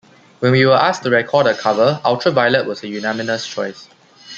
When we were asked to record a cover, 'Ultraviolet' was a unanimous choice.